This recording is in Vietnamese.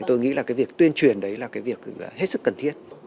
tôi nghĩ việc tuyên truyền đấy là việc hết sức cần thiết